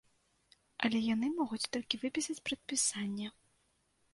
Але яны могуць толькі выпісаць прадпісанне.